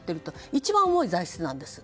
一番重い罪質なんです。